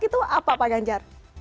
itu apa pak ganjar